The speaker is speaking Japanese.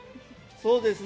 そうですね。